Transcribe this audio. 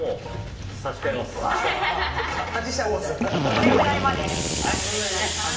これくらいまで炒めてください。